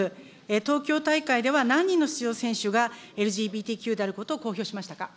東京大会では何人の出場選手が、ＬＧＢＴＱであることを公表しましたか。